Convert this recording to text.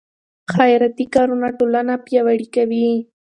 خیراتي کارونه ټولنه پیاوړې کوي.